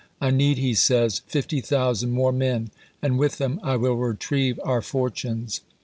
" I need," he says, " 50,000 more men, and with them I will re trieve our fortunes."